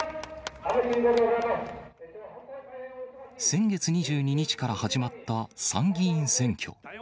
先月２２日から始まった参議院選挙。